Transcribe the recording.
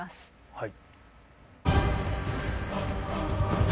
はい。